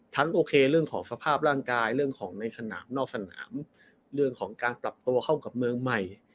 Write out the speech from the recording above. โอเคเรื่องของสภาพร่างกายเรื่องของในสนามนอกสนามเรื่องของการปรับตัวเข้ากับเมืองใหม่